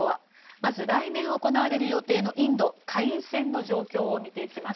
まず来年行われる予定のインド下院選の状況を見ていきます。